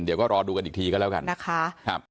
เดี๋ยวก็รอดูกันอีกทีก็แล้วกันนะคะ